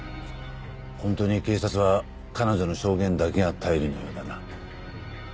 ホントに警察は彼女の証言だけが頼りのようだな。